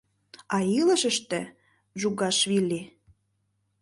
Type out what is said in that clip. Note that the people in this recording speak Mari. А илышыште — Джугашвили.